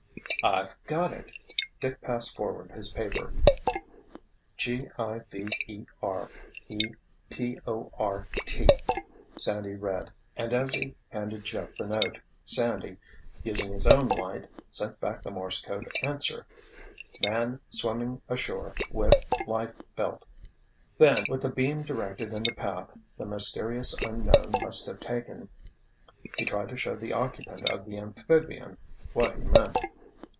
"I've got it!" Dick passed forward his paper. "'G i v e r e p o r t,'" Sandy read, and as he handed Jeff the note, Sandy, using his own light, sent back the Morse code answer: "Man swimming ashore with life belt." Then, with the beam directed in the path the mysterious unknown must have taken, he tried to show the occupant of the amphibian what he meant.